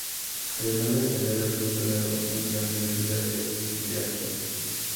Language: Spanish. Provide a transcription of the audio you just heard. Además de tener un doctorado en la Universidad de Deakin.